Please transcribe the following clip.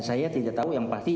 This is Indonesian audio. saya tidak tahu yang pasti